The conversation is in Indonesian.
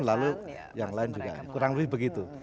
lalu yang lain juga kurang lebih begitu